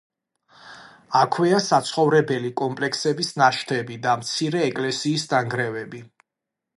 აქვეა საცხოვრებელი კომპლექსების ნაშთები და მცირე ეკლესიის ნანგრევები.